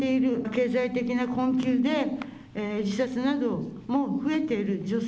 経済的な困窮で、自殺なども増えている。